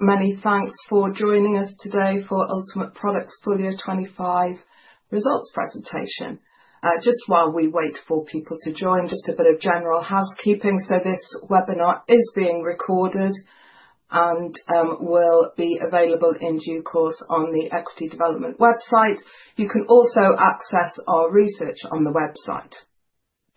Many thanks for joining us today for Ultimate Products Full Year 2025 Results Presentation. Just while we wait for people to join, just a bit of general housekeeping. So this webinar is being recorded and will be available in due course on the Equity Development website. You can also access our research on the website.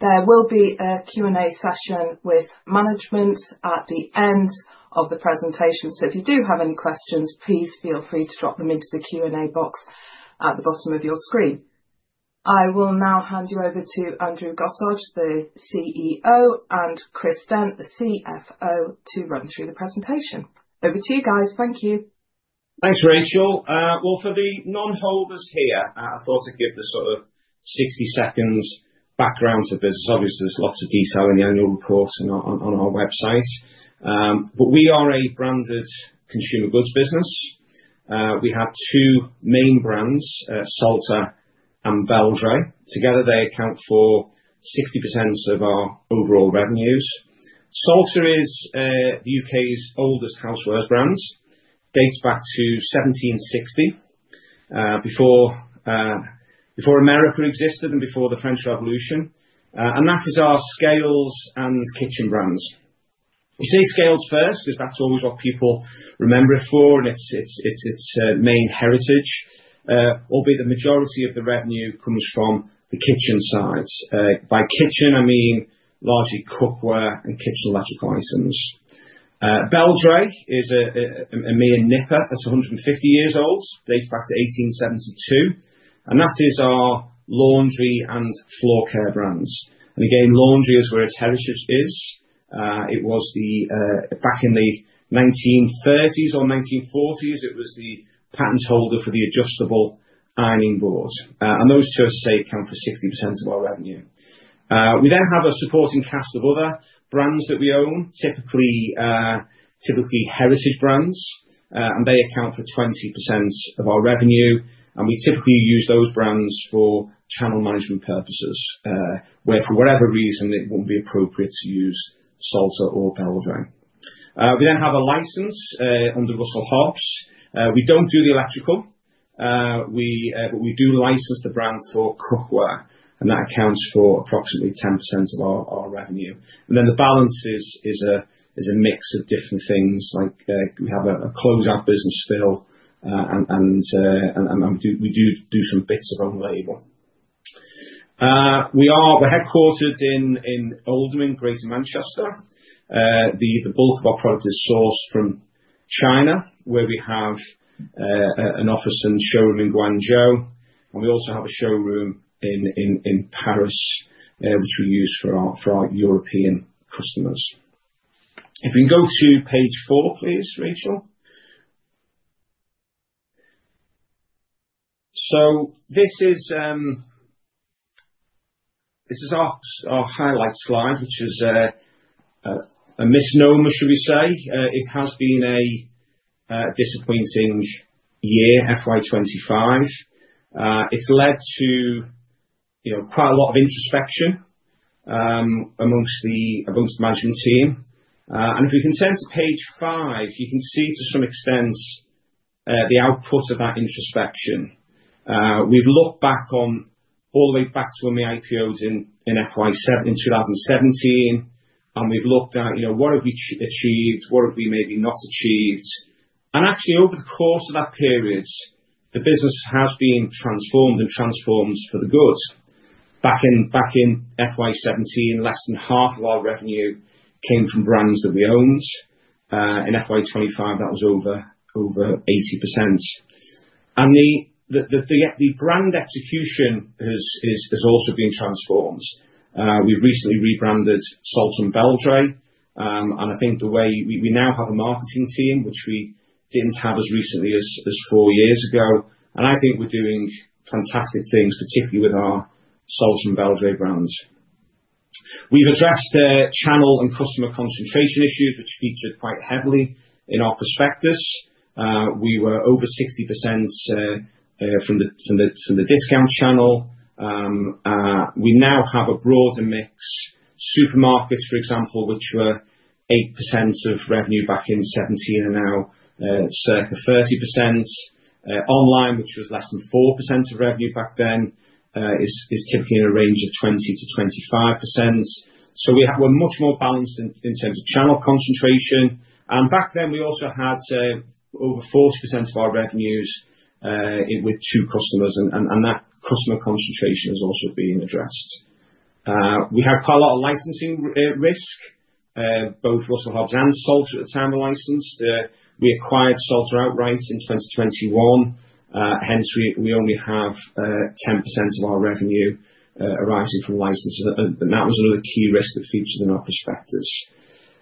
There will be a Q&A session with management at the end of the presentation. So if you do have any questions, please feel free to drop them into the Q&A box at the bottom of your screen. I will now hand you over to Andrew Gossage, the CEO, and Chris Dent, the CFO, to run through the presentation. Over to you guys. Thank you. Thanks, Rachel. Well, for the non-holders here, I thought I'd give the sort of 60 seconds background to this. Obviously, there's lots of detail in the annual reports on our website. But we are a branded consumer goods business. We have two brands, Salter and Beldray. Together, they account for 60% of our overall revenues. Salter is the U.K.'s oldest housewares brand, dates back to 1760, before America existed and before the French Revolution. And that is our scales and kitchen brands. We say scales first because that's always what people remember it for, and it's its main heritage. Albeit, the majority of the revenue comes from the kitchen sides. By kitchen, I mean largely cookware and kitchen electrical items. Beldray is a mere nipper. That's 150 years old, dates back to 1872. And that is our laundry and floor care brands. And again, laundry is where its heritage is. It was back in the 1930s or 1940s. It was the patent holder for the adjustable ironing board. And those two, as I say, account for 60% of our revenue. We then have a supporting cast of other brands that we own, typically heritage brands. And they account for 20% of our revenue. We typically use those brands for channel management purposes, where for whatever reason, it wouldn't be appropriate to use Salter or Beldray. We then have a license under Russell Hobbs. We don't do the electrical, but we do license the brand for cookware. And that accounts for approximately 10% of our revenue. And then the balance is a mix of different things. Like we have a close-out business still, and we do do some bits of own label. We are headquartered in Oldham, Greater Manchester. The bulk of our product is sourced from China, where we have an office and showroom in Guangzhou. And we also have a showroom in Paris, which we use for our European customers. If you can go to page four, please, Rachel. So this is our highlight slide, which is a misnomer, should we say. It has been a disappointing year, FY25. It's led to quite a lot of introspection amongst the management team. And if we can turn to page five, you can see to some extent the output of that introspection. We've looked back all the way back to when we IPOed in 2017. And we've looked at what have we achieved? What have we maybe not achieved? And actually, over the course of that period, the business has been transformed and transformed for the good. Back in FY17, less than half of our revenue came from brands that we owned. In FY25, that was over 80%. And the brand execution has also been transformed. We've recently rebranded Salter and Beldray. And I think the way we now have a marketing team, which we didn't have as recently as four years ago. And I think we're doing fantastic things, particularly with our Salter and Beldray brands. We've addressed channel and customer concentration issues, which featured quite heavily in our prospectus. We were over 60% from the discount channel. We now have a broader mix. Supermarkets, for example, which were 8% of revenue back in 2017, are now circa 30%. Online, which was less than 4% of revenue back then, is typically in a range of 20%-25%. So we're much more balanced in terms of channel concentration. Back then, we also had over 40% of our revenues with two customers. That customer concentration has also been addressed. We had quite a lot of licensing risk, both Russell Hobbs and Salter at the time were licensed. We acquired Salter outright in 2021. Hence, we only have 10% of our revenue arising from licenses. That was another key risk that featured in our prospectus.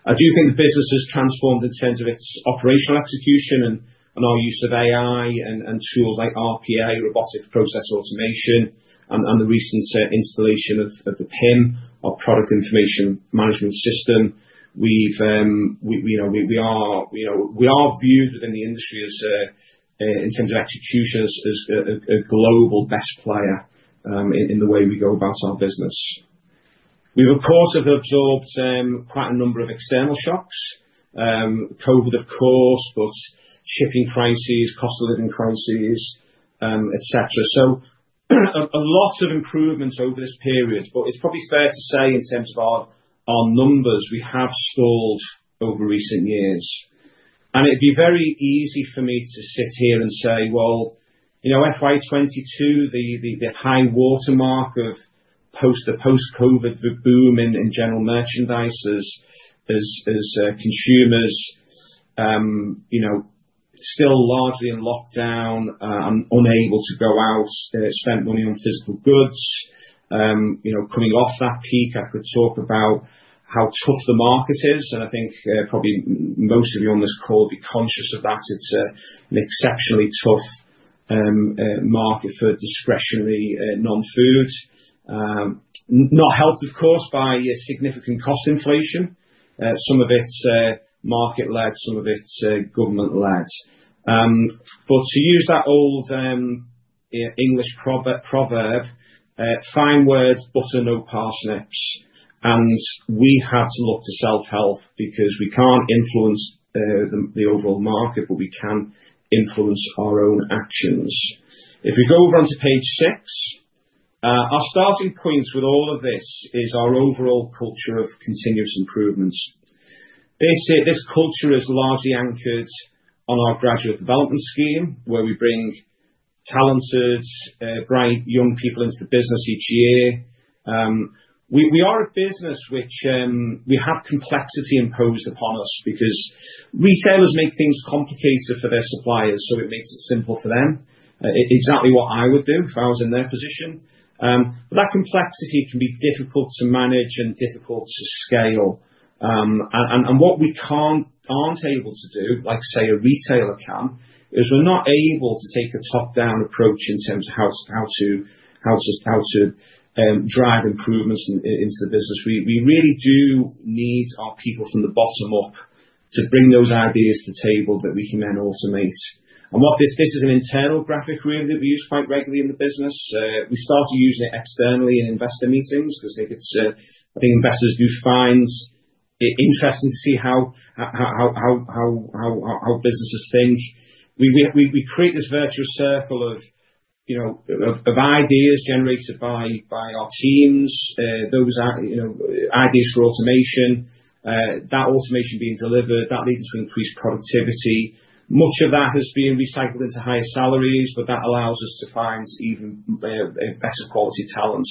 I do think the business has transformed in terms of its operational execution and our use of AI and tools like RPA, Robotic Process Automation, and the recent installation of the PIM, our Product Information Management system. We are viewed within the industry in terms of execution as a global best player in the way we go about our business. We've, of course, absorbed quite a number of external shocks: COVID, of course, but shipping crises, cost of living crises, etc. So a lot of improvements over this period. But it's probably fair to say in terms of our numbers, we have stalled over recent years. And it'd be very easy for me to sit here and say, well, FY22, the high watermark of post-COVID boom in general merchandisers, as consumers still largely in lockdown and unable to go out, spend money on physical goods. Coming off that peak, I could talk about how tough the market is. And I think probably most of you on this call would be conscious of that. It's an exceptionally tough market for discretionary non-food. Not helped, of course, by significant cost inflation. Some of it's market-led, some of it's government-led. But to use that old English proverb, fine words butter no parsnips. And we have to look to self-help because we can't influence the overall market, but we can influence our own actions. If we go over onto page six, our starting point with all of this is our overall culture of continuous improvements. This culture is largely anchored on our Graduate Development Scheme, where we bring talented, bright young people into the business each year. We are a business which we have complexity imposed upon us because retailers make things complicated for their suppliers, so it makes it simple for them. Exactly what I would do if I was in their position. But that complexity can be difficult to manage and difficult to scale, and what we aren't able to do, like say a retailer can, is we're not able to take a top-down approach in terms of how to drive improvements into the business. We really do need our people from the bottom up to bring those ideas to the table that we can then automate. And this is an internal graphic really that we use quite regularly in the business. We started using it externally in investor meetings because I think investors do find it interesting to see how businesses think. We create this virtuous circle of ideas generated by our teams, those ideas for automation, that automation being delivered, that leads to increased productivity. Much of that has been recycled into higher salaries, but that allows us to find even better quality talent.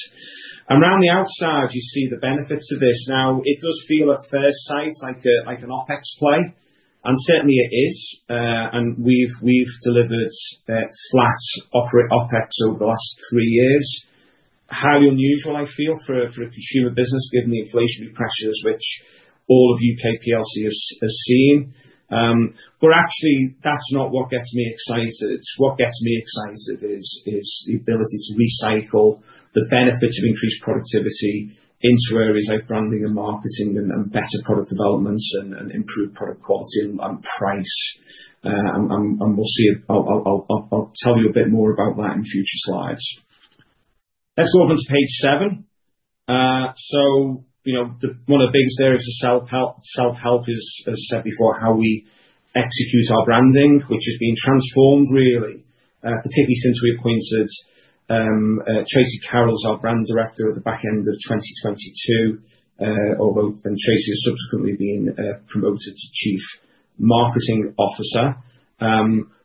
Around the outside, you see the benefits of this. Now, it does feel at first sight like an OpEx play. And certainly, it is. And we've delivered flat OpEx over the last three years. Highly unusual, I feel, for a consumer business given the inflationary pressures which all of UK plc has seen. But actually, that's not what gets me excited. What gets me excited is the ability to recycle the benefits of increased productivity into areas like branding and marketing and better product developments and improved product quality and price, and I'll tell you a bit more about that in future slides. Let's go over onto page seven. So one of the biggest areas of self-help is, as I said before, how we execute our branding, which has been transformed really, particularly since we appointed Tracy Carroll as our Brand Director at the back end of 2022. And Tracy has subsequently been promoted to Chief Marketing Officer.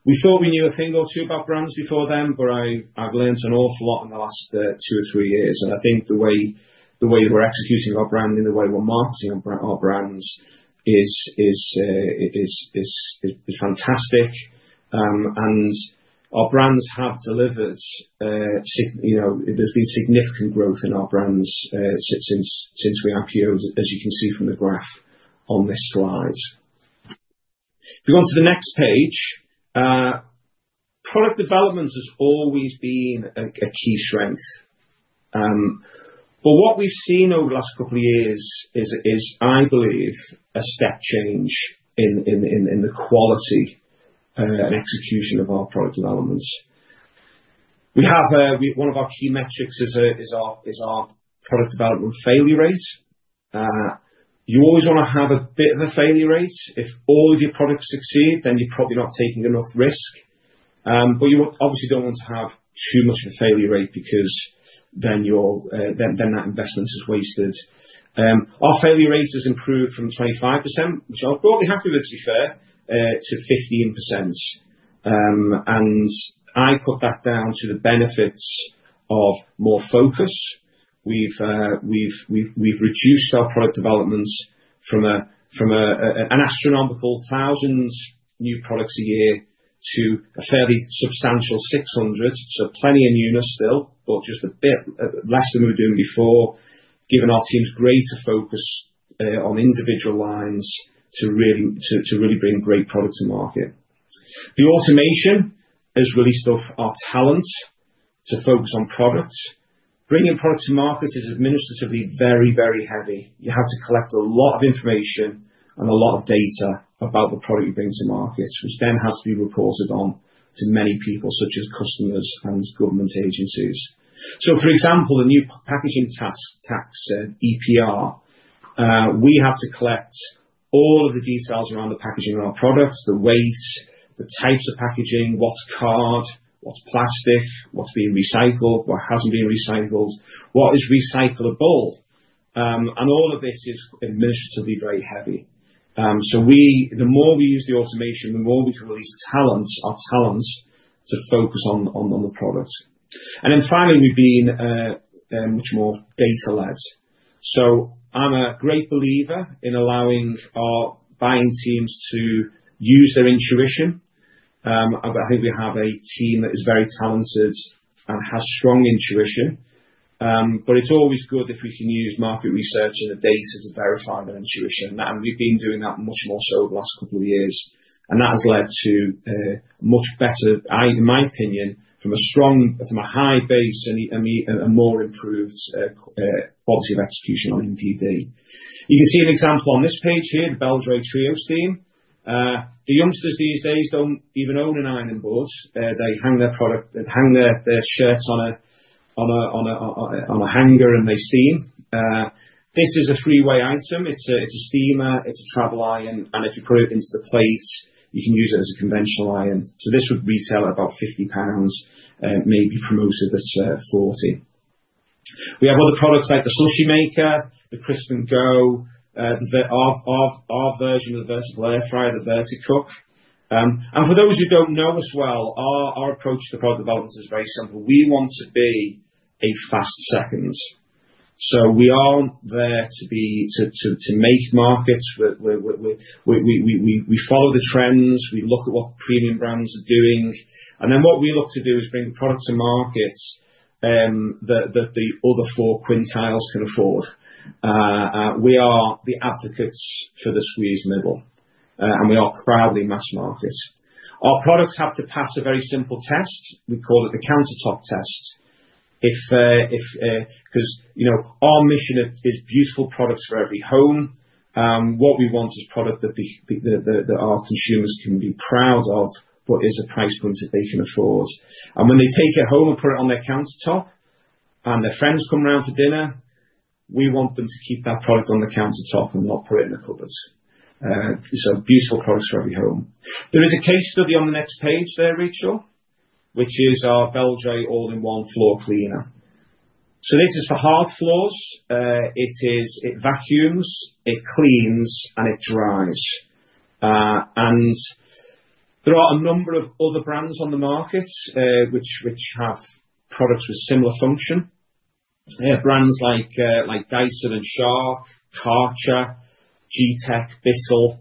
We thought we knew a thing or two about brands before then, but I've learned an awful lot in the last two or three years. And I think the way we're executing our brand and the way we're marketing our brands is fantastic. And our brands have delivered. There's been significant growth in our brands since we IPOed, as you can see from the graph on this slide. If we go on to the next page, product development has always been a key strength. But what we've seen over the last couple of years is, I believe, a step change in the quality and execution of our product developments. One of our key metrics is our product development failure rate. You always want to have a bit of a failure rate. If all of your products succeed, then you're probably not taking enough risk. But you obviously don't want to have too much of a failure rate because then that investment is wasted. Our failure rate has improved from 25%, which I was broadly happy with, to be fair, to 15%, and I put that down to the benefits of more focus. We've reduced our product developments from an astronomical thousand new products a year to a fairly substantial 600, so plenty of newness still, but just a bit less than we were doing before, given our team's greater focus on individual lines to really bring great products to market. The automation has released our talent to focus on product. Bringing product to market is administratively very, very heavy. You have to collect a lot of information and a lot of data about the product you bring to market, which then has to be reported on to many people, such as customers and government agencies, so for example, the new packaging tax EPR, we have to collect all of the details around the packaging of our products, the weight, the types of packaging, what's card, what's plastic, what's being recycled, what hasn't been recycled, what is recyclable. All of this is administratively very heavy. The more we use the automation, the more we can release our talent to focus on the product. Then finally, we've been much more data-led. I'm a great believer in allowing our buying teams to use their intuition. I think we have a team that is very talented and has strong intuition. It's always good if we can use market research and the data to verify their intuition. We've been doing that much more so over the last couple of years. That has led to much better, in my opinion, from a high base and a more improved quality of execution on NPD. You can see an example on this page here, the Beldray Trio Steam. The youngsters these days don't even own an iron and board. They hang their shirts on a hanger and they steam. This is a three-way item. It's a steamer, it's a travel iron, and if you put it into the plate, you can use it as a conventional iron, so this would retail at about 50 pounds, maybe promoted at 40. We have other products like the Sushi Maker, the Crisp & Go, our version of the versatile air fryer, the VertiCook, and for those who don't know us well, our approach to product development is very simple. We want to be a fast second, so we aren't there to make markets. We follow the trends. We look at what premium brands are doing, and then what we look to do is bring the product to market that the other four quintiles can afford, we are the advocates for the squeezed middle, and we are proudly mass market. Our products have to pass a very simple test. We call it the countertop test. Because our mission is beautiful products for every home. What we want is product that our consumers can be proud of, but is a price point that they can afford. And when they take it home and put it on their countertop and their friends come around for dinner, we want them to keep that product on the countertop and not put it in the cupboards. So beautiful products for every home. There is a case study on the next page there, Rachel, which is our Beldray All-in-One Floor Cleaner. So this is for hard floors. It vacuums, it cleans, and it dries. And there are a number of other brands on the market which have products with similar function. Brands like Dyson and Shark, Kärcher, Gtech, Bissell.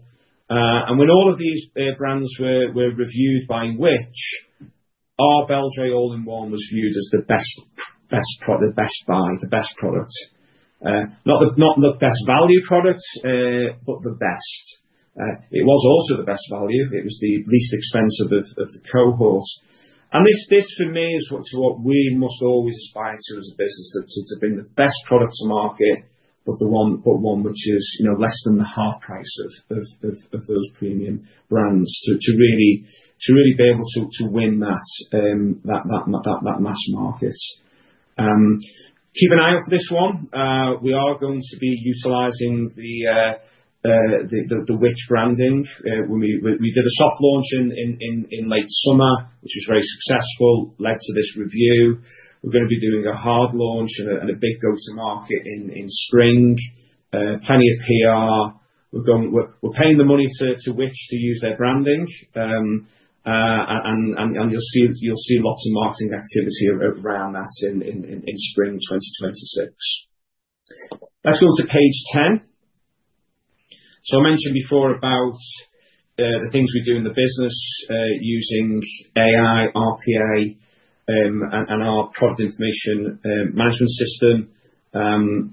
And when all of these brands were reviewed by Which?, our Beldray All-in-One was viewed as the best buy, the best product. Not the best value product, but the best. It was also the best value. It was the least expensive of the cohort. And this, for me, is what we must always aspire to as a business, to bring the best product to market, but one which is less than the half price of those premium brands to really be able to win that mass market. Keep an eye out for this one. We are going to be utilizing the Which? branding. We did a soft launch in late summer, which was very successful, led to this review. We're going to be doing a hard launch and a big go-to-market in spring. Plenty of PR. We're paying the money to Which? to use their branding. And you'll see lots of marketing activity around that in spring 2026. Let's go to page 10. So I mentioned before about the things we do in the business using AI, RPA, and our Product Information Management system. All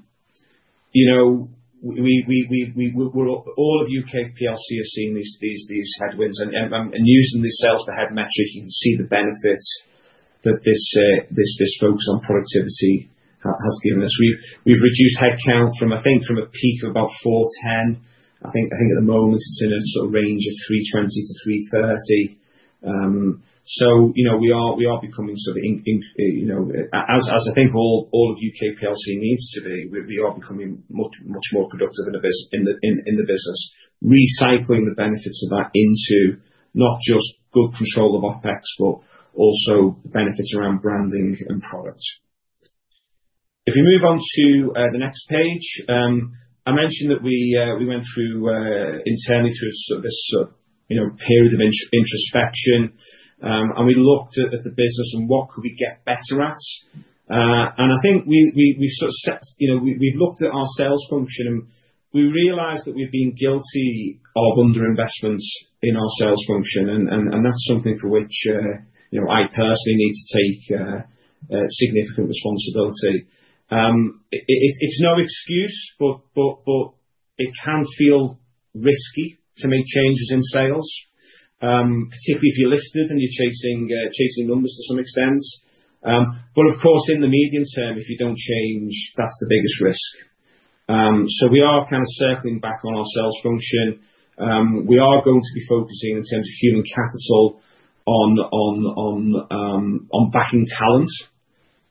of UK plc have seen these headwinds. And using the sales per head metric, you can see the benefits that this focus on productivity has given us. We've reduced headcount from, I think, from a peak of about 410. I think at the moment it's in a sort of range of 320-330. So we are becoming sort of, as I think all of UK plc needs to be, we are becoming much more productive in the business, recycling the benefits of that into not just good control of OpEx, but also benefits around branding and product. If we move on to the next page, I mentioned that we went internally through sort of this period of introspection. We looked at the business and what could we get better at. I think we've sort of set, we've looked at our sales function and we realized that we've been guilty of underinvestments in our sales function. That's something for which I personally need to take significant responsibility. It's no excuse, but it can feel risky to make changes in sales, particularly if you're listed and you're chasing numbers to some extent. Of course, in the medium term, if you don't change, that's the biggest risk. We are kind of circling back on our sales function. We are going to be focusing in terms of human capital on backing talent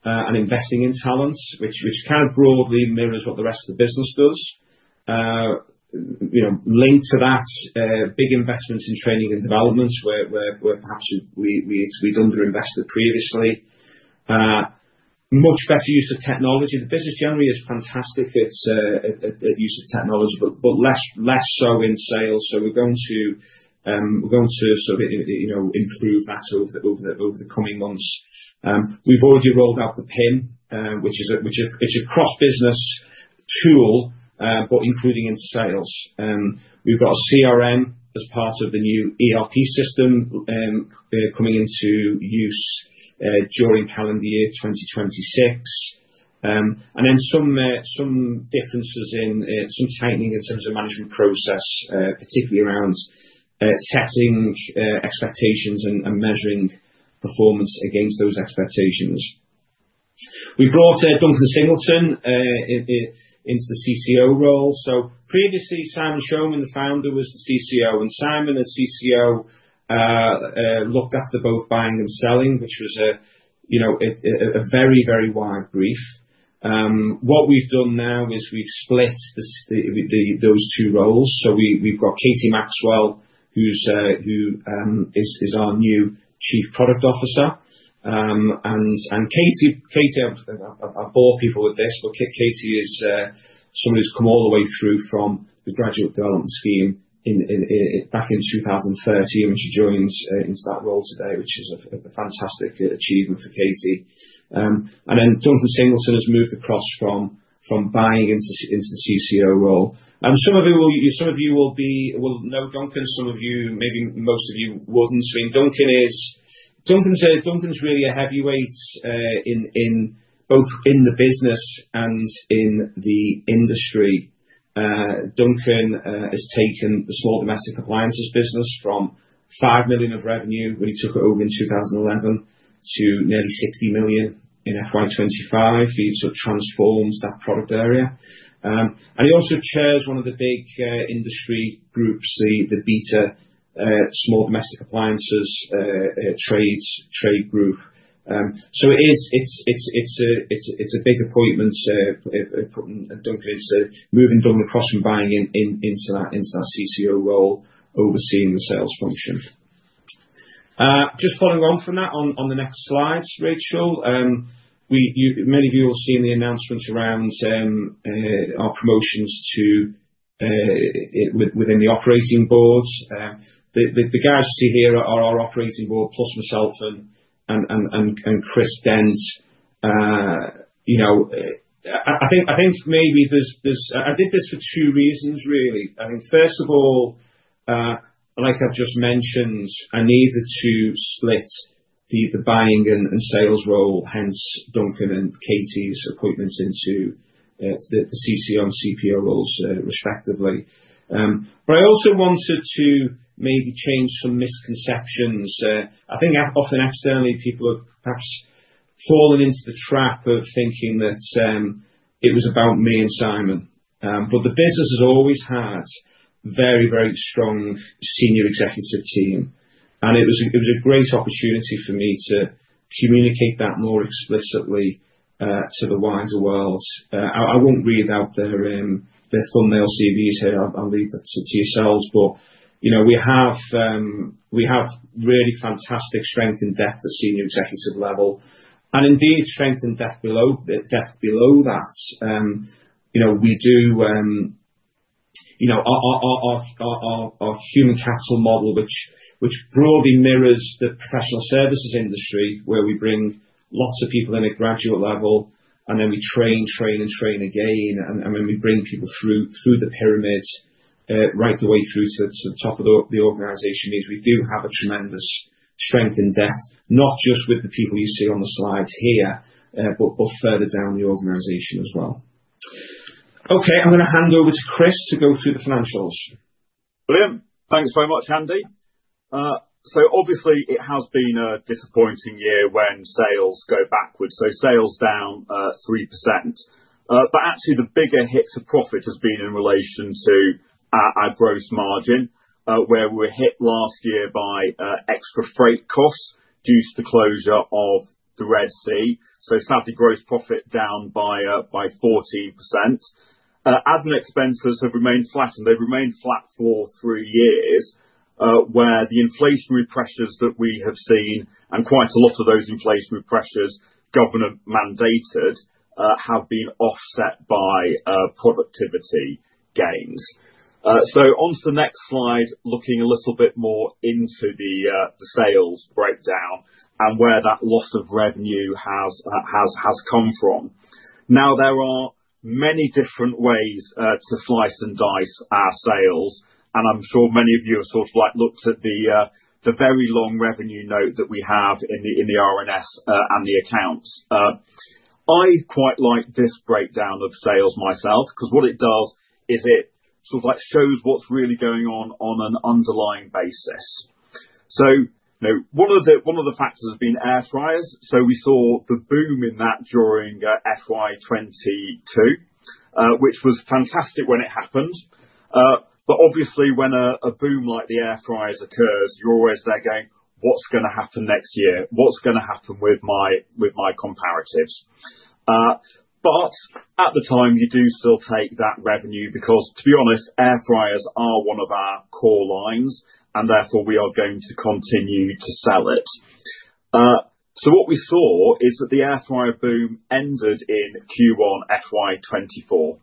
and investing in talent, which kind of broadly mirrors what the rest of the business does. Linked to that, big investments in training and development where perhaps we'd underinvested previously. Much better use of technology. The business generally is fantastic at use of technology, but less so in sales. So we're going to sort of improve that over the coming months. We've already rolled out the PIM, which is a cross-business tool, but including in sales. We've got a CRM as part of the new ERP system coming into use during calendar year 2026. Then some differences in some tightening in terms of management process, particularly around setting expectations and measuring performance against those expectations. We brought Duncan Singleton into the CCO role. So previously, Simon Showman, the Founder, was the CCO. Simon, our CCO, looked after both buying and selling, which was a very, very wide brief. What we've done now is we've split those two roles. So we've got Katie Maxwell, who is our new Chief Product Officer. And Katie oversees four people with this, but Katie is someone who's come all the way through from the Graduate Development Scheme back in 2013 when she joins into that role today, which is a fantastic achievement for Katie. And then Duncan Singleton has moved across from buying into the CCO role. And some of you will know Duncan. Some of you, maybe most of you wouldn't. I mean, Duncan is really a heavyweight both in the business and in the industry. Duncan has taken the small domestic appliances business from 5 million of revenue when he took it over in 2011 to nearly 60 million in FY25. He sort of transforms that product area. He also chairs one of the big industry groups, the BHETA Small Domestic Appliances Trade Group. It's a big appointment. Duncan is moving across from buying into that CCO role overseeing the sales function. Just following on from that on the next slides, Rachel, many of you will have seen the announcements around our promotions within the operating boards. The guys you see here are our operating board, plus myself and Chris Dent. I think maybe I did this for two reasons, really. I think, first of all, like I've just mentioned, I needed to split the buying and sales role, hence Duncan and Katie's appointments into the CCO and CPO roles, respectively. I also wanted to maybe change some misconceptions. I think often externally, people have perhaps fallen into the trap of thinking that it was about me and Simon. But the business has always had a very, very strong senior executive team. And it was a great opportunity for me to communicate that more explicitly to the wider world. I won't read out their thumbnail CVs here. I'll leave that to yourselves. But we have really fantastic strength and depth at senior executive level. And indeed, strength and depth below that, we do our human capital model, which broadly mirrors the professional services industry, where we bring lots of people in at graduate level, and then we train, train, and train again. And then we bring people through the pyramid right the way through to the top of the organization. Means we do have a tremendous strength and depth, not just with the people you see on the slides here, but further down the organization as well. Okay, I'm going to hand over to Chris to go through the financials. Brilliant. Thanks very much, Andy. So obviously, it has been a disappointing year when sales go backwards. So sales down 3%. But actually, the bigger hit to profit has been in relation to our gross margin, where we were hit last year by extra freight costs due to the closure of the Red Sea. So sadly, gross profit down by 14%. Admin expenses have remained flat, and they've remained flat for three years, where the inflationary pressures that we have seen, and quite a lot of those inflationary pressures government mandated, have been offset by productivity gains. So on to the next slide, looking a little bit more into the sales breakdown and where that loss of revenue has come from. Now, there are many different ways to slice and dice our sales. And I'm sure many of you have sort of looked at the very long revenue note that we have in the and the accounts. I quite like this breakdown of sales myself because what it does is it sort of shows what's really going on on an underlying basis. So one of the factors has been air fryers. So we saw the boom in that during FY22, which was fantastic when it happened. But obviously, when a boom like the air fryers occurs, you're always there going, "What's going to happen next year? What's going to happen with my comparatives?" but at the time, you do still take that revenue because, to be honest, air fryers are one of our core lines, and therefore, we are going to continue to sell it, so what we saw is that the air fryer boom ended in Q1 FY24.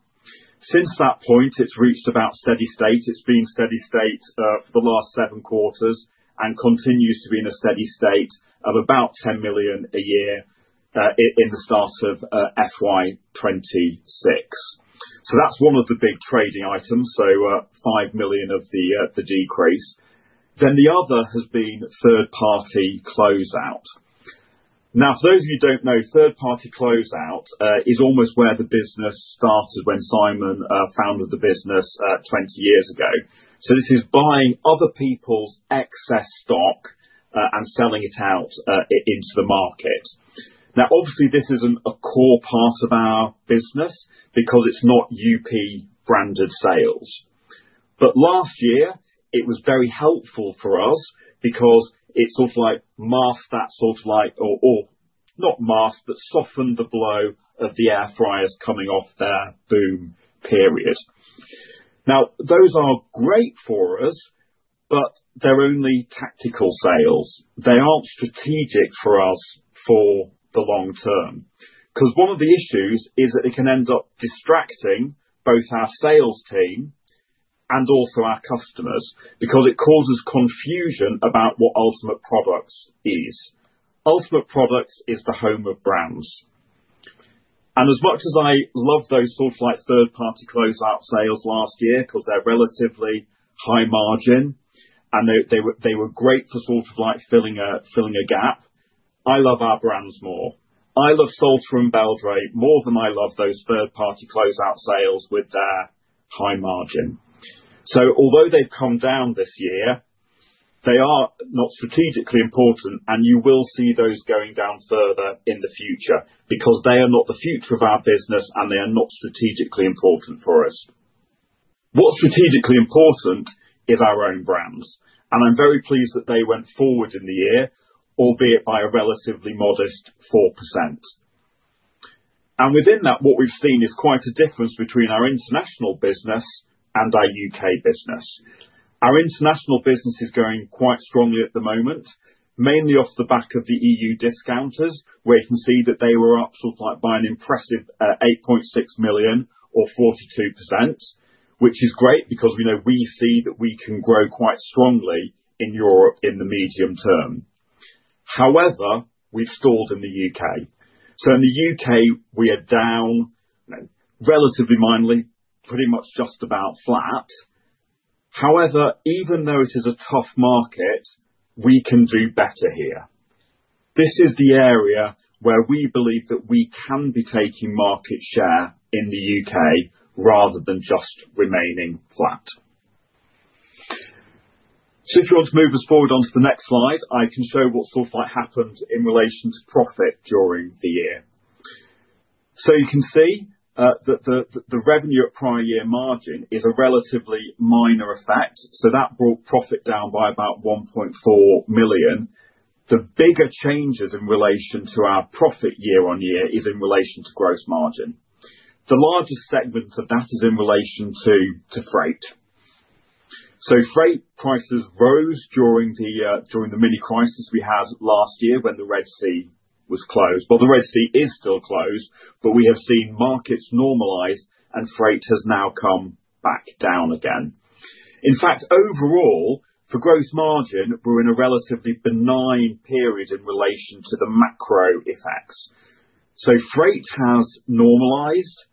Since that point, it's reached about steady state. It's been steady state for the last seven quarters and continues to be in a steady state of about 10 million a year in the start of FY26, so that's one of the big trading items, so 5 million of the decrease. Then the other has been third-party closeout. Now, for those of you who don't know, third-party closeout is almost where the business started when Simon founded the business 20 years ago, so this is buying other people's excess stock and selling it out into the market. Now, obviously, this isn't a core part of our business because it's not UP-branded sales. But last year, it was very helpful for us because it sort of masked that sort of or not masked, but softened the blow of the air fryers coming off their boom period. Now, those are great for us, but they're only tactical sales. They aren't strategic for us for the long term because one of the issues is that it can end up distracting both our sales team and also our customers because it causes confusion about what Ultimate Products is. Ultimate Products is the home of brands. And as much as I love those sort of third-party closeout sales last year because they're relatively high margin and they were great for sort of filling a gap, I love our brands more. I love Salter and Beldray more than I love those third-party closeout sales with their high margin. So although they've come down this year, they are not strategically important, and you will see those going down further in the future because they are not the future of our business, and they are not strategically important for us. What's strategically important is our own brands. And I'm very pleased that they went forward in the year, albeit by a relatively modest 4%. And within that, what we've seen is quite a difference between our international business and our U.K. business. Our international business is growing quite strongly at the moment, mainly off the back of the E.U. discounters, where you can see that they were up sort of by an impressive 8.6 million or 42%, which is great because we see that we can grow quite strongly in in the medium term. However, we've stalled in the U.K. So in the U.K., we are down relatively mildly, pretty much just about flat. However, even though it is a tough market, we can do better here. This is the area where we believe that we can be taking market share in the U.K. rather than just remaining flat. So if you want to move us forward onto the next slide, I can show what sort of happened in relation to profit during the year. So you can see that the revenue at prior year margin is a relatively minor effect. So that brought profit down by about 1.4 million. The bigger changes in relation to our profit year-on-year is in relation to gross margin. The largest segment of that is in relation to freight, so freight prices rose during the mini crisis we had last year when the Red Sea was closed. Well, the Red Sea is still closed, but we have seen markets normalize, and freight has now come back down again. In fact, overall, for gross margin, we're in a relatively benign period in relation to the macro effects, so freight has normalized.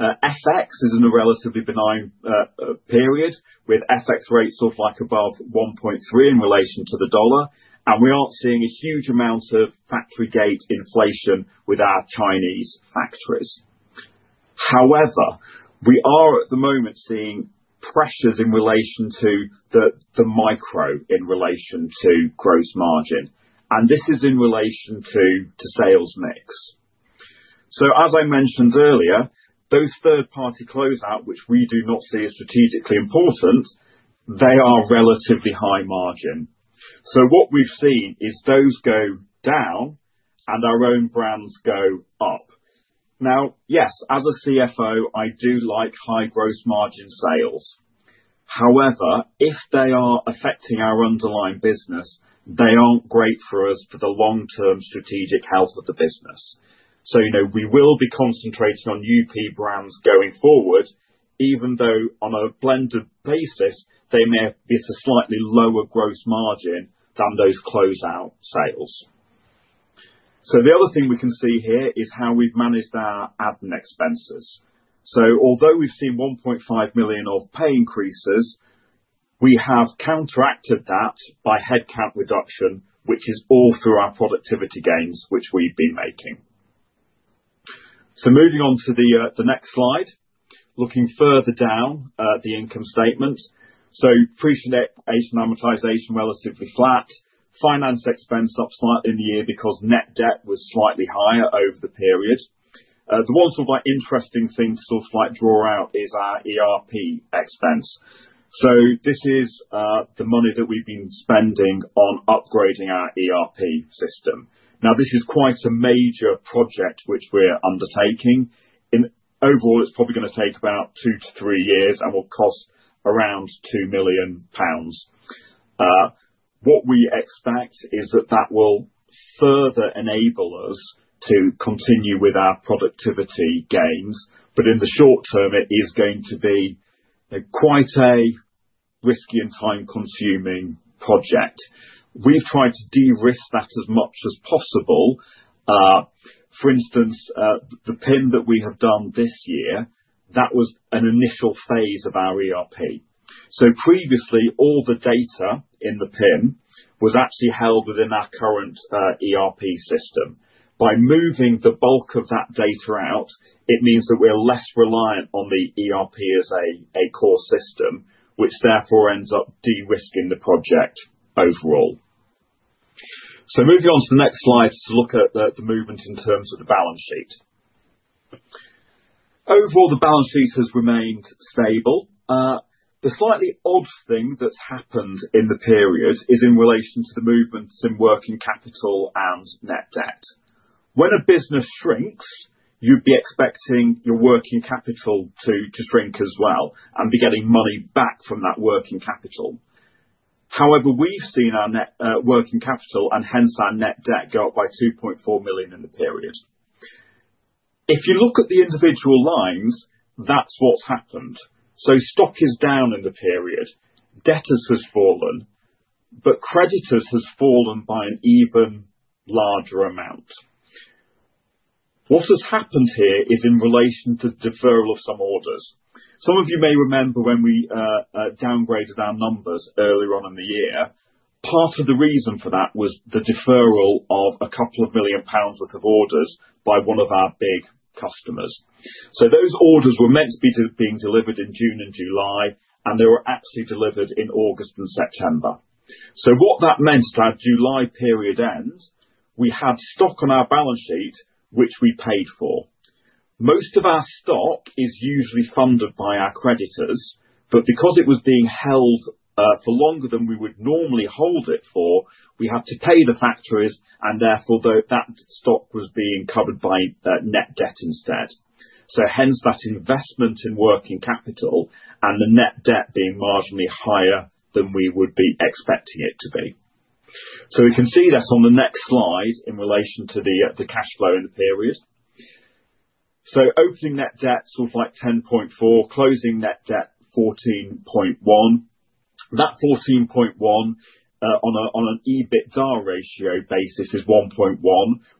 FX is in a relatively benign period with FX rates sort of above 1.3 in relation to the dollar, and we aren't seeing a huge amount of factory gate inflation with our Chinese factories. However, we are at the moment seeing pressures in relation to the micro in relation to gross margin. This is in relation to sales mix. As I mentioned earlier, those third-party closeout, which we do not see as strategically important, they are relatively high margin. What we've seen is those go down and our own brands go up. Now, yes, as a CFO, I do like high gross margin sales. However, if they are affecting our underlying business, they aren't great for us for the long-term strategic health of the business. We will be concentrating on UP brands going forward, even though on a blended basis, they may be at a slightly lower gross margin than those closeout sales. The other thing we can see here is how we've managed our admin expenses. Although we've seen 1.5 million of pay increases, we have counteracted that by headcount reduction, which is all through our productivity gains, which we've been making. So moving on to the next slide, looking further down the income statement, so pre-IFRS 16 amortization relatively flat. Finance expense up slightly in the year because net debt was slightly higher over the period. The one sort of interesting thing to sort of draw out is our ERP expense, so this is the money that we've been spending on upgrading our ERP system. Now, this is quite a major project which we're undertaking. Overall, it's probably going to take about two to three years and will cost around 2 million pounds. What we expect is that that will further enable us to continue with our productivity gains. But in the short term, it is going to be quite a risky and time-consuming project. We've tried to de-risk that as much as possible. For instance, the PIM that we have done this year, that was an initial phase of our ERP. Previously, all the data in the PIM was actually held within our current ERP system. By moving the bulk of that data out, it means that we're less reliant on the ERP as a core system, which therefore ends up de-risking the project overall. Moving on to the next slide to look at the movement in terms of the balance sheet. Overall, the balance sheet has remained stable. The slightly odd thing that's happened in the period is in relation to the movements in working capital and net debt. When a business shrinks, you'd be expecting your working capital to shrink as well and be getting money back from that working capital. However, we've seen our working capital and hence our net debt go up by 2.4 million in the period. If you look at the individual lines, that's what's happened. Stock is down in the period. Debtors has fallen, but creditors has fallen by an even larger amount. What has happened here is in relation to the deferral of some orders. Some of you may remember when we downgraded our numbers earlier on in the year. Part of the reason for that was the deferral of a couple of million pounds' worth of orders by one of our big customers. So those orders were meant to be being delivered in June and July, and they were actually delivered in August and September. So what that meant is at July period end, we had stock on our balance sheet, which we paid for. Most of our stock is usually funded by our creditors, but because it was being held for longer than we would normally hold it for, we had to pay the factories, and therefore, that stock was being covered by net debt instead. So hence, that investment in working capital and the net debt being marginally higher than we would be expecting it to be. So we can see that on the next slide in relation to the cash flow in the period. So opening net debt sort of like 10.4, closing net debt 14.1. That 14.1 on an EBITDA ratio basis is 1.1,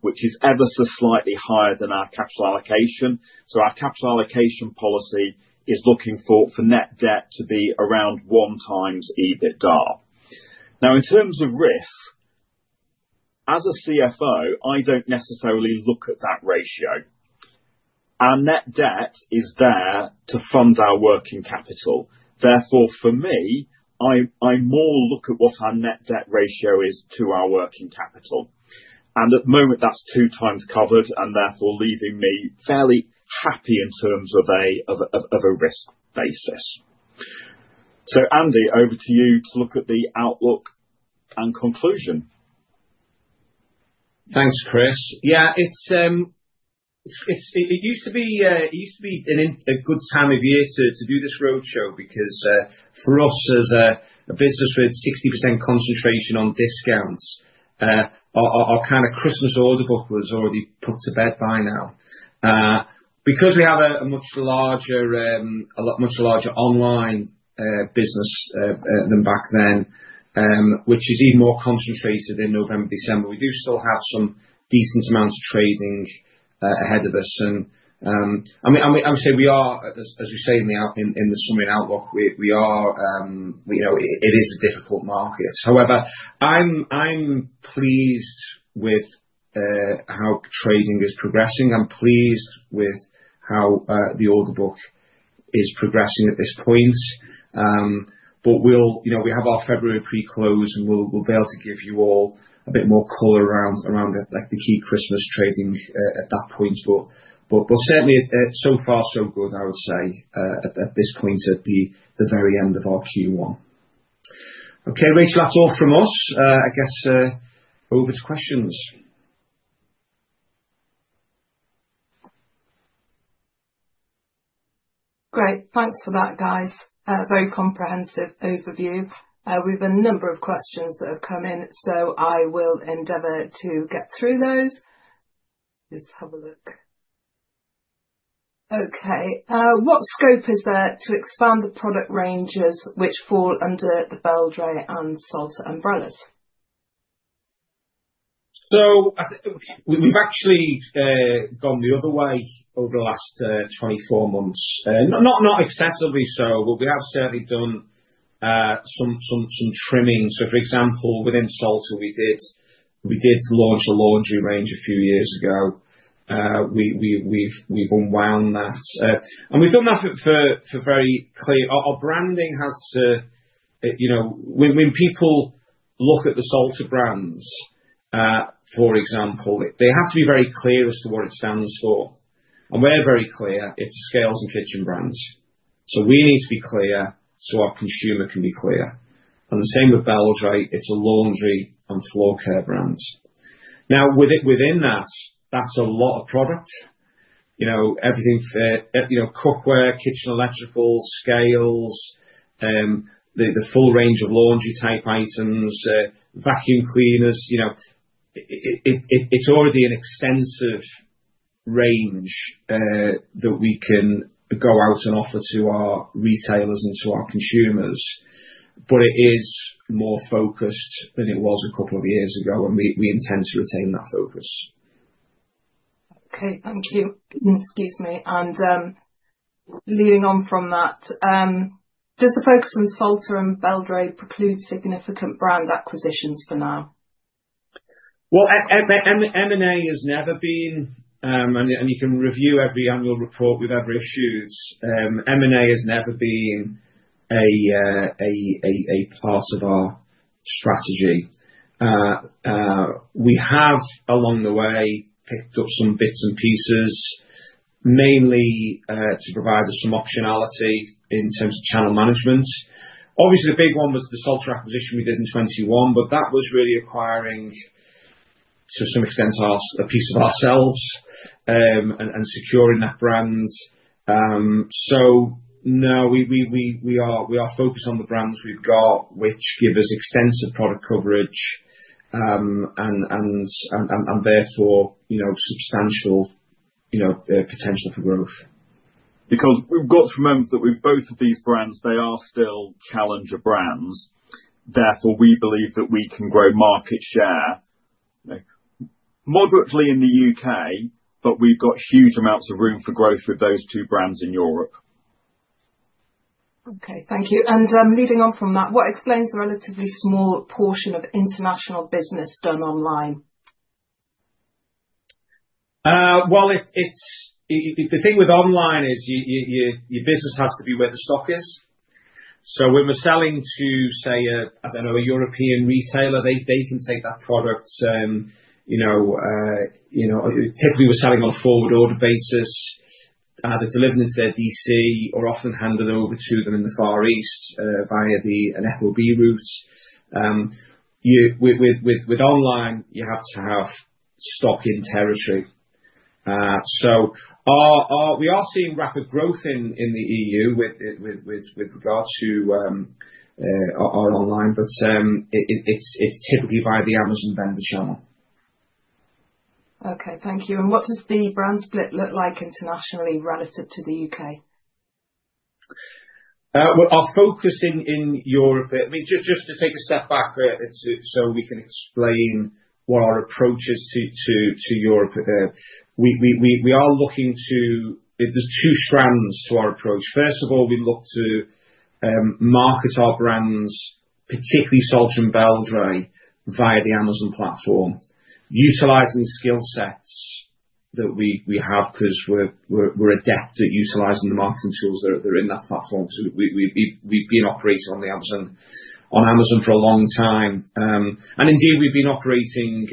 which is ever so slightly higher than our capital allocation. So our capital allocation policy is looking for net debt to be around 1x EBITDA. Now, in terms of risk, as a CFO, I don't necessarily look at that ratio. Our net debt is there to fund our working capital. Therefore, for me, I more look at what our net debt ratio is to our working capital. And at the moment, that's two times covered and therefore leaving me fairly happy in terms of a risk basis. So, Andy, over to you to look at the outlook and conclusion. Thanks, Chris. Yeah, it used to be a good time of year to do this roadshow because for us, as a business with 60% concentration on discounts, our kind of Christmas order book was already put to bed by now. Because we have a much larger online business than back then, which is even more concentrated in November, December, we do still have some decent amounts of trading ahead of us. And I would say we are, as we say in the summary and outlook, it is a difficult market. However, I'm pleased with how trading is progressing. I'm pleased with how the order book is progressing at this point. But we have our February pre-close, and we'll be able to give you all a bit more color around the key Christmas trading at that point. But certainly, so far, so good, I would say, at this point, at the very end of our Q1. Okay, Rachel, that's all from us. I guess over to questions. Great. Thanks for that, guys. Very comprehensive overview. We have a number of questions that have come in, so I will endeavor to get through those. Let's have a look. Okay. What scope is there to expand the product ranges which fall under the Beldray and Salter umbrellas? So we've actually gone the other way over the last 24 months. Not excessively so, but we have certainly done some trimming. So for example, within Salter, we did launch a laundry range a few years ago. We've unwound that. And we've done that for very clear, our branding has to when people look at the Salter brands, for example, they have to be very clear as to what it stands for. And we're very clear. It's a scales and kitchen brand. So we need to be clear so our consumer can be clear. And the same with Beldray. It's a laundry and floor care brand. Now, within that, that's a lot of product. Everything from cookware, kitchen electricals, scales, the full range of laundry-type items, vacuum cleaners. It's already an extensive range that we can go out and offer to our retailers and to our consumers. But it is more focused than it was a couple of years ago, and we intend to retain that focus. Okay. Thank you. Excuse me. And leading on from that, does the focus on Salter and Beldray preclude significant brand acquisitions for now? M&A has never been and you can review every annual report with every issue. M&A has never been a part of our strategy. We have, along the way, picked up some bits and pieces, mainly to provide us some optionality in terms of channel management. Obviously, the big one was the Salter acquisition we did in 2021, but that was really acquiring, to some extent, a piece of ourselves and securing that brand. No, we are focused on the brands we've got, which give us extensive product coverage and therefore substantial potential for growth. Because we've got to remember that both of these brands, they are still challenger brands. Therefore, we believe that we can grow market share moderately in the U.K., but we've got huge amounts of room for growth with those two brands in Europe. Okay. Thank you. Leading on from that, what explains the relatively small portion of international business done online? The thing with online is your business has to be where the stock is. So when we're selling to, say, I don't know, a European retailer, they can take that product. Typically, we're selling on a forward-order basis. They're delivered into their DC or often handed over to them in the Far East via an FOB route. With online, you have to have stock in territory. So we are seeing rapid growth in the E.U. with regard to our online, but it's typically via the Amazon vendor channel. Okay. Thank you. And what does the brand split look like internationally relative to the U.K.? Our focus in Europe, just to take a step back so we can explain what our approach is to Europe. We are looking to; there's two strands to our approach. First of all, we look to market our brands, particularly Salter and Beldray, via the Amazon platform, utilizing skill sets that we have because we're adept at utilizing the marketing tools that are in that platform. So we've been operating on Amazon for a long time, and indeed, we've been operating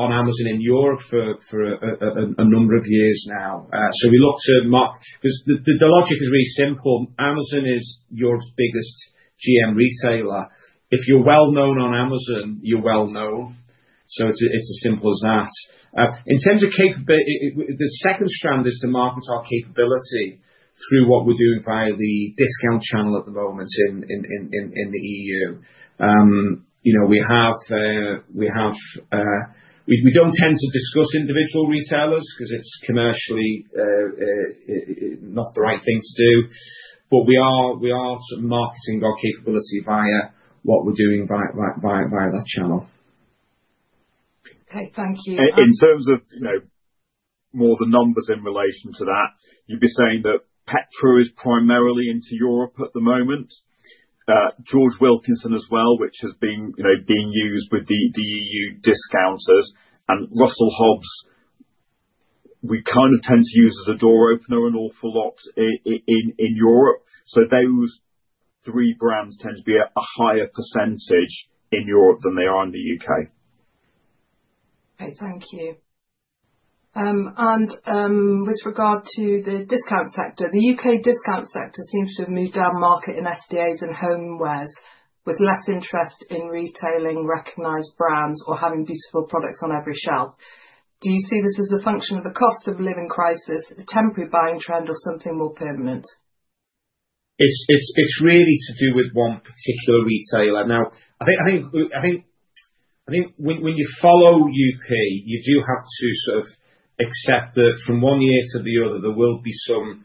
on Amazon in Europe for a number of years now. So we look to; the logic is really simple. Amazon is Europe's biggest GM retailer. If you're well-known on Amazon, you're well-known. So it's as simple as that. In terms of capability, the second strand is to market our capability through what we're doing via the discount channel at the moment in the E.U. We don't tend to discuss individual retailers because it's commercially not the right thing to do, but we are marketing our capability via what we're doing via that channel. Okay. Thank you. In terms of more the numbers in relation to that, you'd be saying that Petra is primarily into Europe at the moment. George Wilkinson as well, which has been used with the E.U. discounters, and Russell Hobbs, we kind of tend to use as a door opener an awful lot in Europe, so those three brands tend to be a higher percentage in Europe than they are in the U.K. Okay. Thank you. And with regard to the discount sector, the U.K. discount sector seems to have moved down market in SDAs and housewares with less interest in retailing recognized brands or having beautiful products on every shelf. Do you see this as a function of the cost-of-living crisis, a temporary buying trend, or something more permanent? It's really to do with one particular retailer. Now, I think when you follow U.K., you do have to sort of accept that from one year to the other, there will be some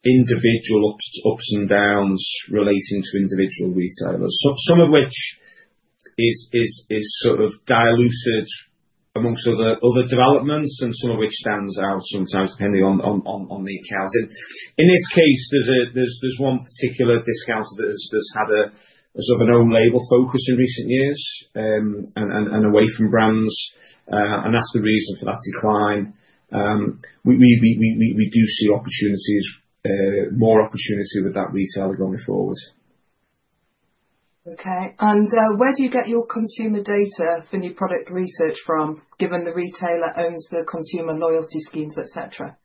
individual ups and downs relating to individual retailers, some of which is sort of diluted amongst other developments and some of which stands out sometimes depending on the account. In this case, there's one particular discounter that's had a sort of an own-label focus in recent years and away from brands. And that's the reason for that decline. We do see more opportunity with that retailer going forward. Okay. And where do you get your consumer data for new product research from, given the retailer owns the consumer loyalty schemes, etc.?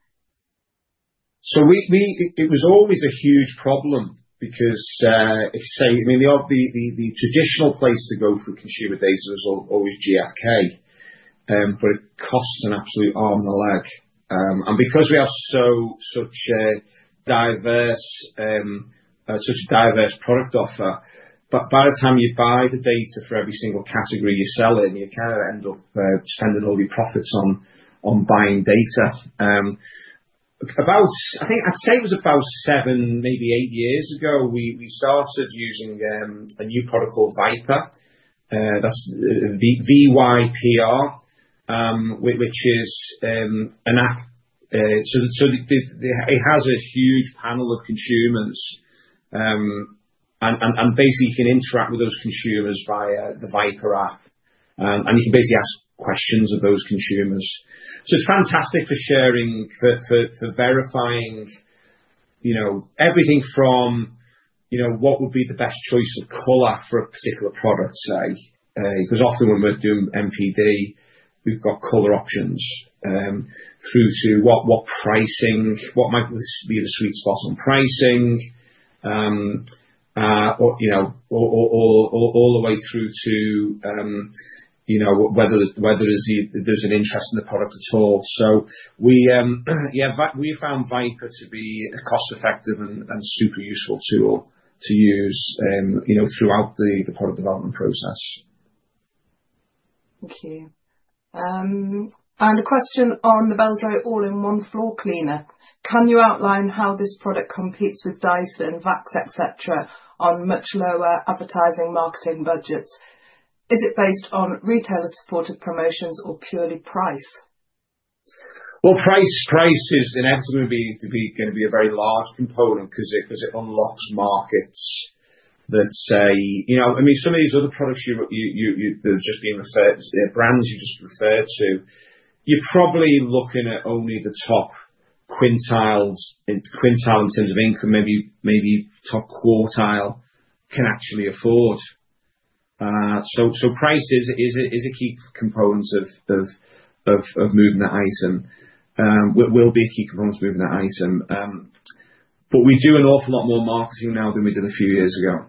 So it was always a huge problem because, I mean, the traditional place to go for consumer data is always GfK, but it costs an absolute arm and a leg. And because we have such a diverse product offer, by the time you buy the data for every single category you're selling, you kind of end up spending all your profits on buying data. I'd say it was about seven, maybe eight years ago, we started using a new product called Vypr. That's V-Y-P-R, which is an app. So it has a huge panel of consumers, and basically, you can interact with those consumers via the Vypr app, and you can basically ask questions of those consumers. So it's fantastic for sharing, for verifying everything from what would be the best choice of color for a particular product, say, because often when we're doing NPD, we've got color options through to what pricing, what might be the sweet spot on pricing, all the way through to whether there's an interest in the product at all. So yeah, we found Vypr to be a cost-effective and super useful tool to use throughout the product development process. Thank you. And a question on the Beldray All-in-One Floor Cleaner. Can you outline how this product competes with Dyson, Vax, etc., on much lower advertising marketing budgets? Is it based on retailer-supported promotions or purely price? Price is inevitably going to be a very large component because it unlocks markets that say, I mean, some of these other products that have just been referred to, brands you've just referred to, you're probably looking at only the top quintile in terms of income. Maybe top quartile can actually afford. So price is a key component of moving that item. It will be a key component of moving that item. But we do an awful lot more marketing now than we did a few years ago.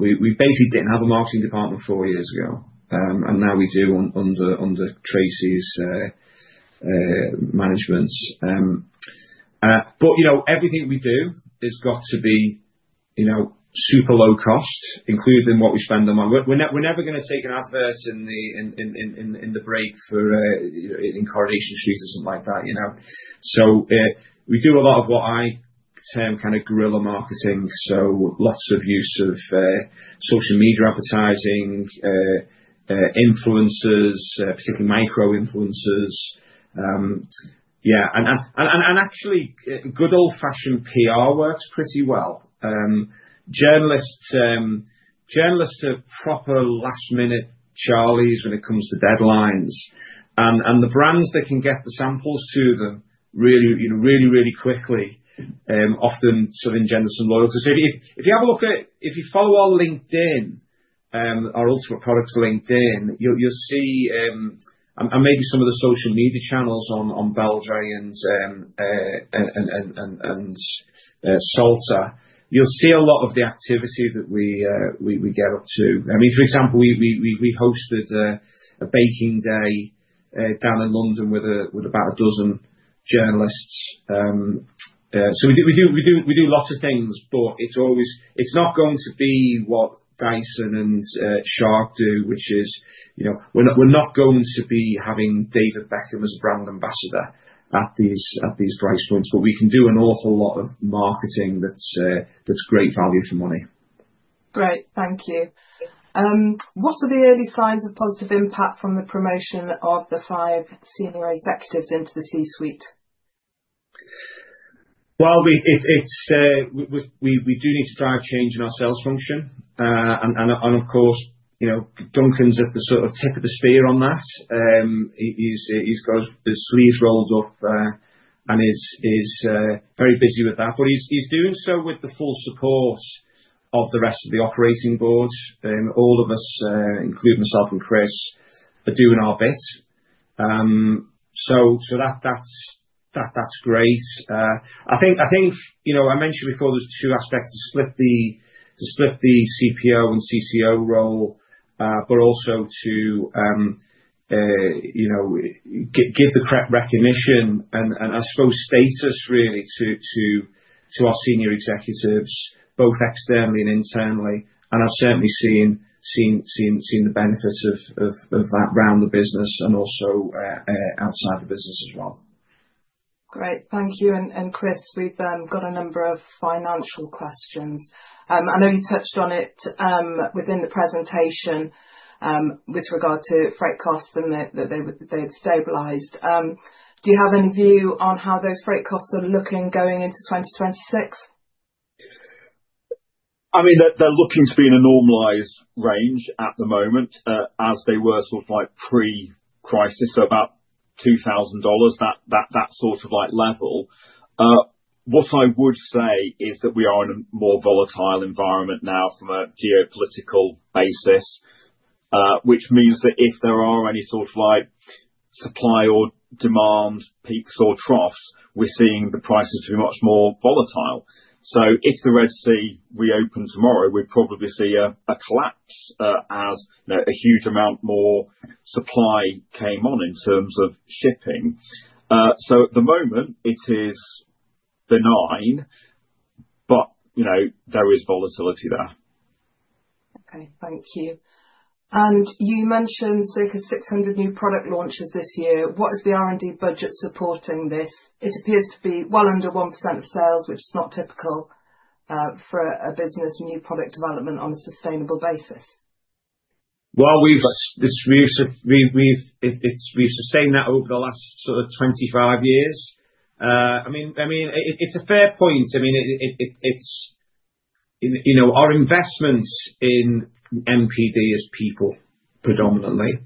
We basically didn't have a marketing department four years ago, and now we do under Tracy's management. But everything we do has got to be super low cost, included in what we spend on marketing. We're never going to take an advert in the break in Coronation Street or something like that. So we do a lot of what I term kind of guerrilla marketing. So lots of use of social media advertising, influencers, particularly micro-influencers. Yeah. And actually, good old-fashioned PR works pretty well. Journalists are proper last-minute Charlies when it comes to deadlines. And the brands that can get the samples to them really, really quickly often sort of engender some loyalty. So if you follow our LinkedIn, our Ultimate Products LinkedIn, you'll see and maybe some of the social media channels on Beldray and Salter, you'll see a lot of the activity that we get up to. I mean, for example, we hosted a baking day down in London with about a dozen journalists. So, we do lots of things, but it's not going to be what Dyson and Shark do, which is we're not going to be having David Beckham as a brand ambassador at these price points. But we can do an awful lot of marketing that's great value for money. Great. Thank you. What are the early signs of positive impact from the promotion of the five senior executives into the C-suite? We do need to try changing our sales function. Of course, Duncan's at the sort of tip of the spear on that. He's got his sleeves rolled up and is very busy with that. He's doing so with the full support of the rest of the operating boards. All of us, including myself and Chris, are doing our bit. That's great. I think I mentioned before there's two aspects: to split the CPO and CCO role, but also to give the correct recognition and, I suppose, status really to our senior executives, both externally and internally. I've certainly seen the benefits of that around the business and also outside the business as well. Great. Thank you. And Chris, we've got a number of financial questions. I know you touched on it within the presentation with regard to freight costs and that they had stabilized. Do you have any view on how those freight costs are looking going into 2026? I mean, they're looking to be in a normalised range at the moment as they were sort of pre-crisis, so about $2,000, that sort of level. What I would say is that we are in a more volatile environment now from a geopolitical basis, which means that if there are any sort of supply or demand peaks or troughs, we're seeing the prices to be much more volatile. So if the Red Sea reopens tomorrow, we'd probably see a collapse as a huge amount more supply came on in terms of shipping. So at the moment, it is benign, but there is volatility there. Okay. Thank you. And you mentioned circa 600 new product launches this year. What is the R&D budget supporting this? It appears to be well under 1% of sales, which is not typical for a business new product development on a sustainable basis. We've sustained that over the last sort of 25 years. I mean, it's a fair point. I mean, our investments in NPD is people predominantly.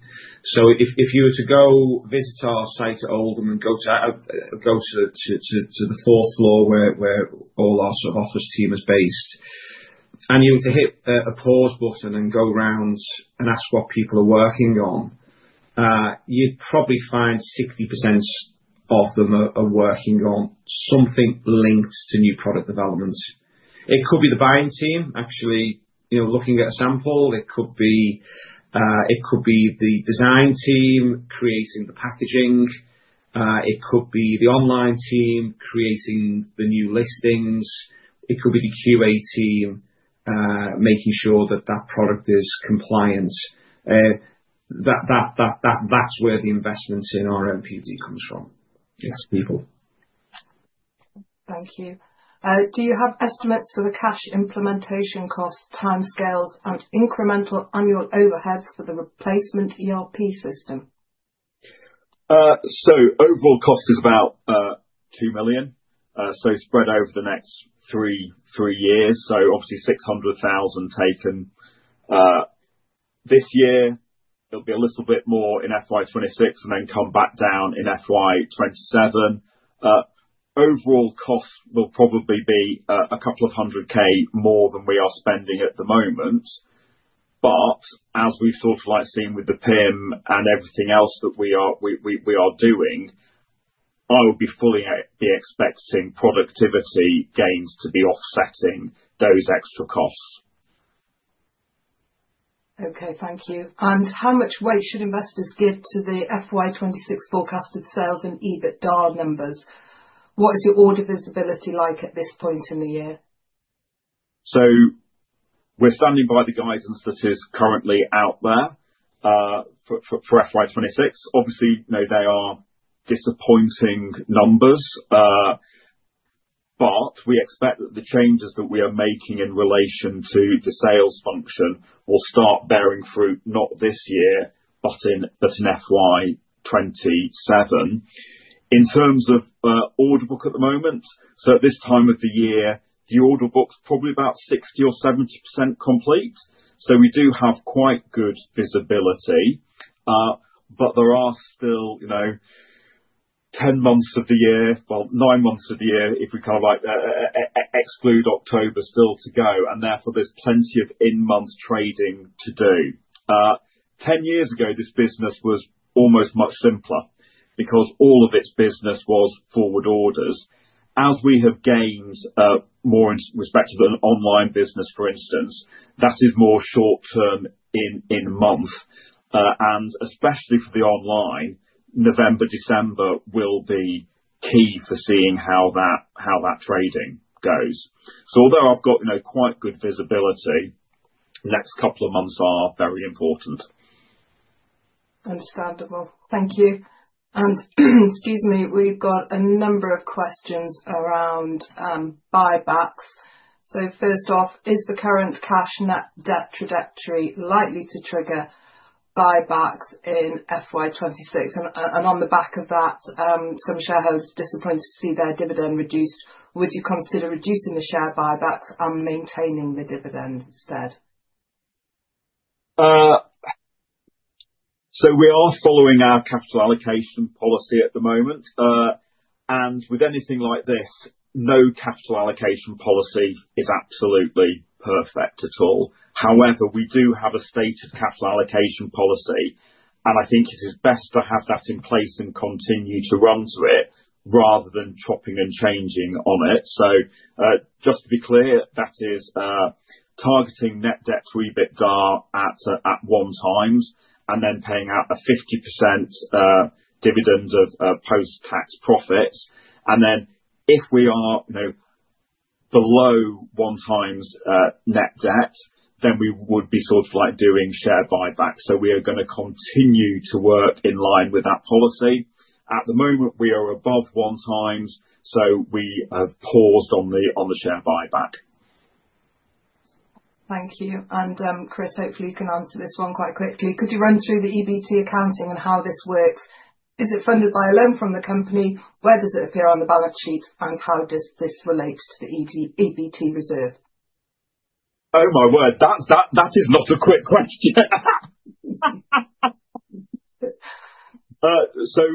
So if you were to go visit our site at Oldham and go to the fourth floor where all our sort of office team is based, and you were to hit a pause button and go around and ask what people are working on, you'd probably find 60% of them are working on something linked to new product development. It could be the buying team actually looking at a sample. It could be the design team creating the packaging. It could be the online team creating the new listings. It could be the QA team making sure that that product is compliant. That's where the investments in our NPD comes from. It's people. Thank you. Do you have estimates for the cash implementation cost, timescales, and incremental annual overheads for the replacement ERP system? Overall cost is about 2 million, so spread over the next three years. So obviously, 600,000 taken this year. It'll be a little bit more in FY 2026 and then come back down in FY 2027. Overall cost will probably be a couple of 100,000 more than we are spending at the moment. But as we've sort of seen with the PIM and everything else that we are doing, I would be fully expecting productivity gains to be offsetting those extra costs. Okay. Thank you and how much weight should investors give to the FY 2026 forecasted sales and EBITDA numbers? What is your order visibility like at this point in the year? We're standing by the guidance that is currently out there for FY 2026. Obviously, they are disappointing numbers, but we expect that the changes that we are making in relation to the sales function will start bearing fruit not this year, but in FY 2027. In terms of order book at the moment, so at this time of the year, the order book's probably about 60% or 70% complete. So we do have quite good visibility, but there are still 10 months of the year well, 9 months of the year if we kind of exclude October still to go. And therefore, there's plenty of in-month trading to do. 10 years ago, this business was almost much simpler because all of its business was forward orders. As we have gained more respect of an online business, for instance, that is more short-term in month. And especially for the online, November, December will be key for seeing how that trading goes. So although I've got quite good visibility, next couple of months are very important. Understandable. Thank you. And excuse me, we've got a number of questions around buybacks. So first off, is the current cash debt trajectory likely to trigger buybacks in FY 2026? And on the back of that, some shareholders are disappointed to see their dividend reduced. Would you consider reducing the share buybacks and maintaining the dividend instead? So we are following our capital allocation policy at the moment. And with anything like this, no capital allocation policy is absolutely perfect at all. However, we do have a stated capital allocation policy, and I think it is best to have that in place and continue to run to it rather than chopping and changing on it. So just to be clear, that is targeting net debt to EBITDA at 1x and then paying out a 50% dividend of post-tax profits. And then if we are below 1x net debt, then we would be sort of doing share buybacks. So we are going to continue to work in line with that policy. At the moment, we are above 1x, so we have paused on the share buyback. Thank you. And Chris, hopefully, you can answer this one quite quickly. Could you run through the EBT accounting and how this works? Is it funded by a loan from the company? Where does it appear on the balance sheet? And how does this relate to the EBT reserve? Oh my word, that is not a quick question.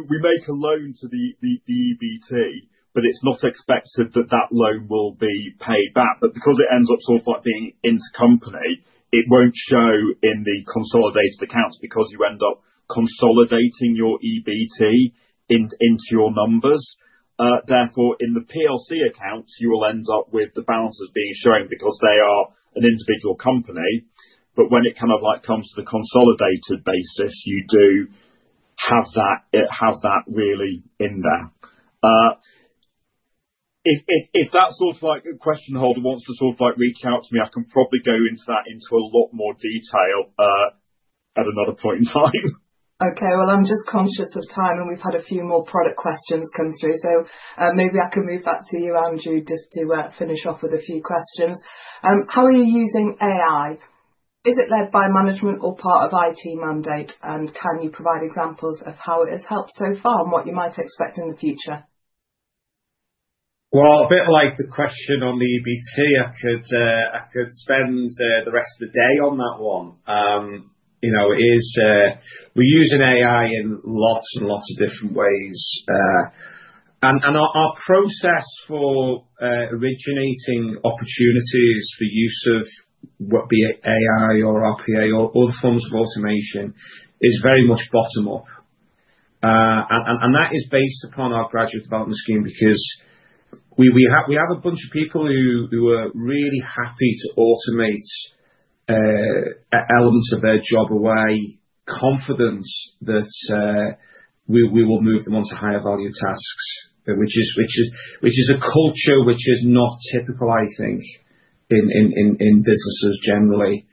We make a loan to the EBT, but it's not expected that that loan will be paid back. But because it ends up sort of being inter-company, it won't show in the consolidated accounts because you end up consolidating your EBT into your numbers. Therefore, in the plc accounts, you will end up with the balances being showing because they are an individual company. But when it kind of comes to the consolidated basis, you do have that really in there. If that sort of a question holder wants to sort of reach out to me, I can probably go into that into a lot more detail at another point in time. I'm just conscious of time, and we've had a few more product questions come through. Maybe I can move back to you, Andrew, just to finish off with a few questions. How are you using AI? Is it led by management or part of IT mandate? And can you provide examples of how it has helped so far and what you might expect in the future? A bit like the question on the EBT, I could spend the rest of the day on that one. We use an AI in lots and lots of different ways. Our process for originating opportunities for use of whether it be AI or RPA or other forms of automation is very much bottom-up. That is based upon our Graduate Development Scheme because we have a bunch of people who are really happy to automate elements of their job away, confidence that we will move them onto higher value tasks, which is a culture which is not typical, I think, in businesses generally.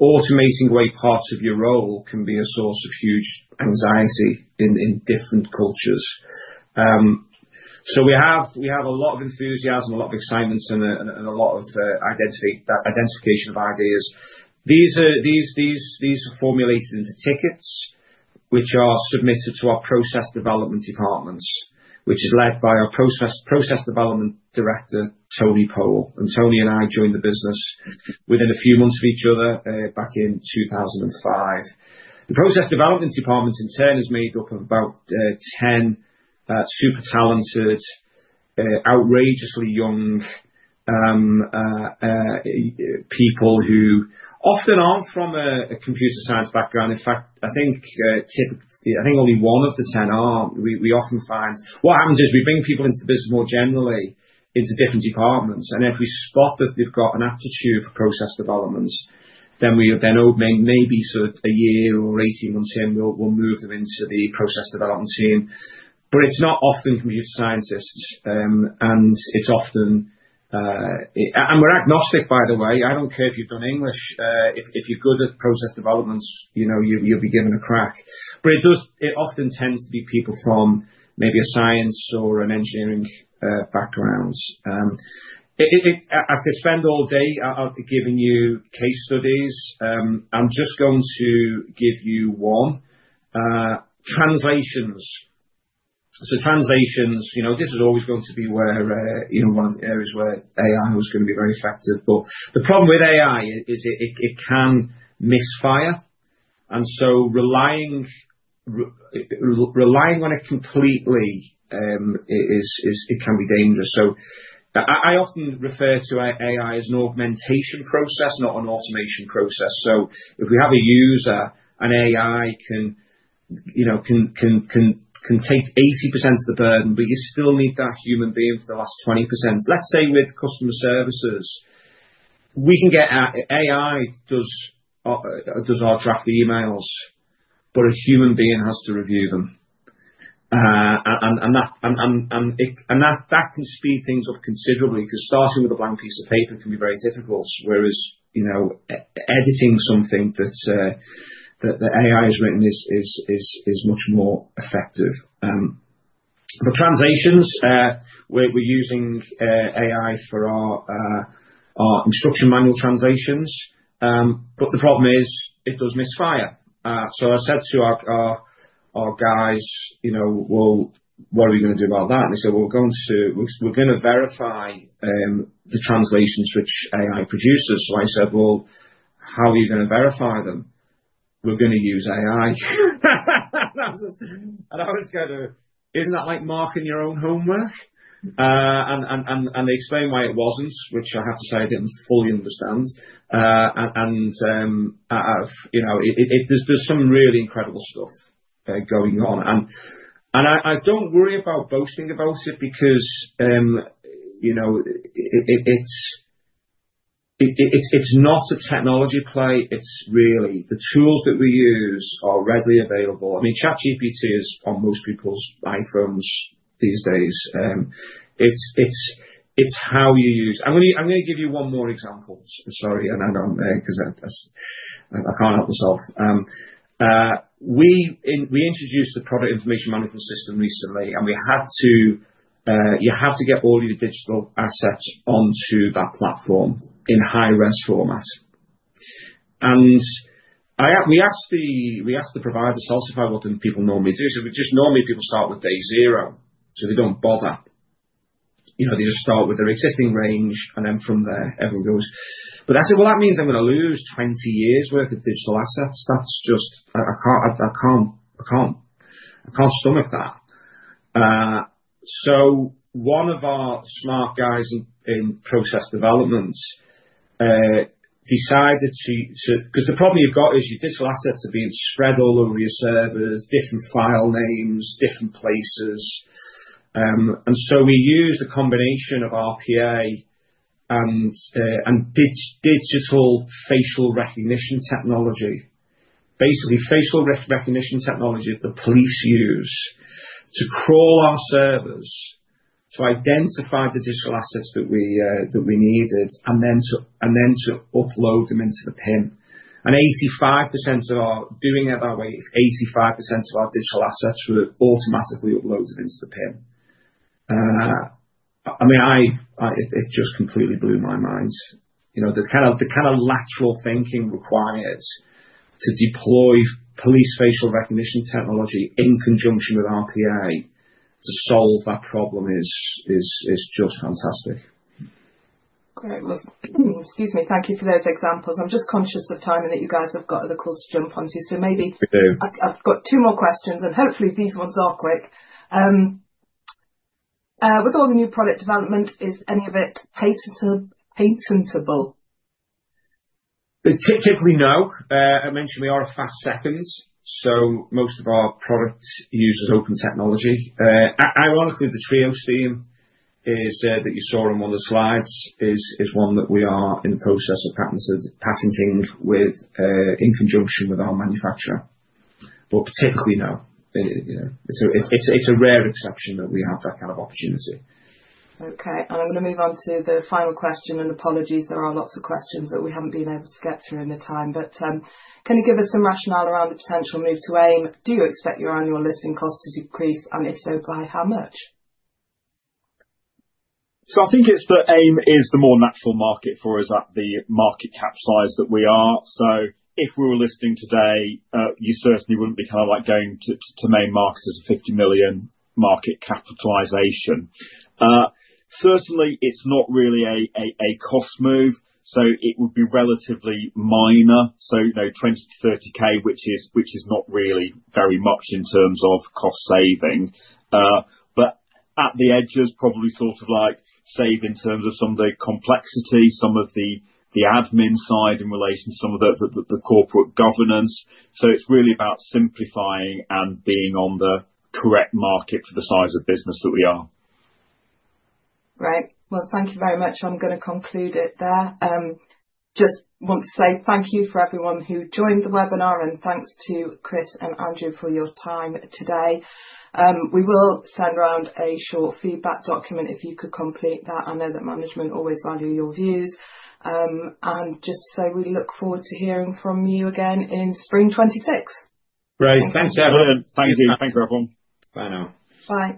Automating great parts of your role can be a source of huge anxiety in different cultures. We have a lot of enthusiasm, a lot of excitement, and a lot of identification of ideas. These are formulated into tickets which are submitted to our Process Development Department, which is led by our Process Development Director, Tony Pole. And Tony and I joined the business within a few months of each other back in 2005. The Process Development Department, in turn, is made up of about 10 super talented, outrageously young people who often aren't from a computer science background. In fact, I think only one of the 10 are. We often find what happens is we bring people into the business more generally into different departments. And if we spot that they've got an aptitude for Process Development, then maybe sort of a year or 18 months in, we'll move them into the Process Development team. But it's not often computer scientists. And it's often we're agnostic, by the way. I don't care if you've done English. If you're good at process developments, you'll be given a crack. But it often tends to be people from maybe a science or an engineering background. I could spend all day giving you case studies. I'm just going to give you one. Translations. So translations, this is always going to be one of the areas where AI was going to be very effective. But the problem with AI is it can misfire. And so relying on it completely can be dangerous. So I often refer to AI as an augmentation process, not an automation process. So if we have a user, an AI can take 80% of the burden, but you still need that human being for the last 20%. Let's say with customer services, we can get AI does our draft emails, but a human being has to review them. And that can speed things up considerably because starting with a blank piece of paper can be very difficult, whereas editing something that AI has written is much more effective, but translations, we're using AI for our instruction manual translations, but the problem is it does misfire, so I said to our guys, "Well, what are we going to do about that?", and they said, "We're going to verify the translations which AI produces", so I said, "Well, how are you going to verify them?" "We're going to use AI", and I was going to, "Isn't that like marking your own homework?", and they explained why it wasn't, which I have to say I didn't fully understand, and there's some really incredible stuff going on, and I don't worry about boasting about it because it's not a technology play. It's really the tools that we use are readily available. I mean, ChatGPT is on most people's iPhones these days. It's how you use it. I'm going to give you one more example. Sorry, I know because I can't help myself. We introduced a Product Information Management system recently, and we had to get all your digital assets onto that platform in high-res format. And we asked the providers to tell us what people normally do. So normally people start with day zero. So they don't bother. They just start with their existing range, and then from there, everything goes. But I said, "Well, that means I'm going to lose 20 years' worth of digital assets. That's just, I can't stomach that." So one of our smart guys in Process Development decided to because the problem you've got is your digital assets are being spread all over your servers, different file names, different places. And so we used a combination of RPA and digital facial recognition technology. Basically, facial recognition technology that the police use to crawl our servers to identify the digital assets that we needed and then to upload them into the PIM. And 85% of our digital assets were automatically uploaded into the PIM. I mean, it just completely blew my mind. The kind of lateral thinking required to deploy police facial recognition technology in conjunction with RPA to solve that problem is just fantastic. Great. Well, excuse me. Thank you for those examples. I'm just conscious of time and that you guys have got other calls to jump onto. So maybe I've got two more questions, and hopefully, these ones are quick. With all the new product development, is any of it patentable? Typically, no. I mentioned we are fast seconds. So most of our products use open technology. Ironically, the Trio Steam that you saw on one of the slides is one that we are in the process of patenting in conjunction with our manufacturer. But typically, no. It's a rare exception that we have that kind of opportunity. Okay. And I'm going to move on to the final question. And apologies, there are lots of questions that we haven't been able to get through in the time. But can you give us some rationale around the potential move to AIM? Do you expect your annual listing cost to decrease? And if so, by how much? So I think it's that AIM is the more natural market for us at the market cap size that we are. So if we were listing today, you certainly wouldn't be kind of going to Main Market as a 50 million market capitalization. Certainly, it's not really a cost move. So 20,000-30,000, which is not really very much in terms of cost saving. But at the edges, probably sort of save in terms of some of the complexity, some of the admin side in relation to some of the corporate governance. So it's really about simplifying and being on the correct market for the size of business that we are. Right. Well, thank you very much. I'm going to conclude it there. Just want to say thank you for everyone who joined the webinar, and thanks to Chris and Andrew for your time today. We will send around a short feedback document if you could complete that. I know that management always value your views, and just to say, we look forward to hearing from you again in spring 2026. Great. Thanks, everyone. Thank you. Bye now. Bye.